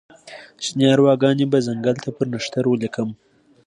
شني ارواګانې به ځنګل ته پر نښتر ولیکم